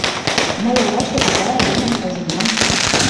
Мый олаште тугай айдемым ужынам.